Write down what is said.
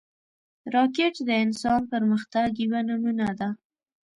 راکټ د انسان پرمختګ یوه نمونه ده